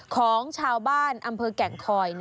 ของชาวบ้านอำเภอแก่งคอย